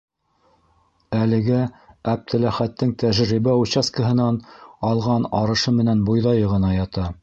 Әлегә Әптеләхәттең тәжрибә участкаһынан алған арышы менән бойҙайы ғына ята.